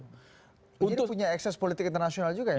jadi punya ekses politik internasional juga ya